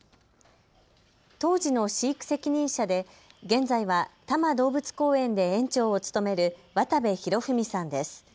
当時の飼育責任者で現在は多摩動物公園で園長を務める渡部浩文さんです。